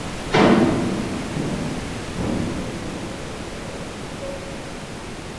Se realizaron varias visitas a nivel ministerial entre los dos países.